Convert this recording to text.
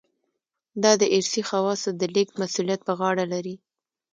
دا د ارثي خواصو د لېږد مسوولیت په غاړه لري.